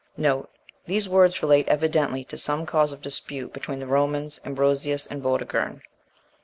These words relate evidently to some cause of dispute between the Romans, Ambrosius, and Vortigern.